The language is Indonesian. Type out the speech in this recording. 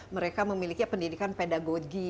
mereka memiliki pendidikan pedagogi